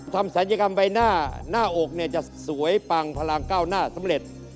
ศัลยกรรมใบหน้าหน้าอกเนี่ยจะสวยปังพลังก้าวหน้าสำเร็จ